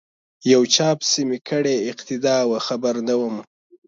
یو چا پسی می کړې اقتدا وه خبر نه وم